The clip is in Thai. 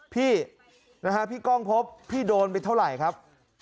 พี่นะฮะพี่ก้องพบพี่โดนไปเท่าไหร่ครับ